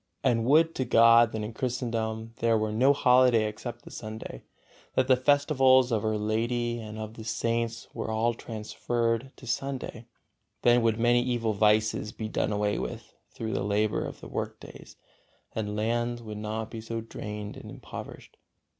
And would to God that in Christendom there were no holiday except the Sunday; that the festivals of Our Lady and of the Saints were all transferred to Sunday; then would many evil vices be done away with through the labor of the work days, and lands would not be so drained and impoverished.